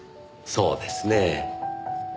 そうですねぇ。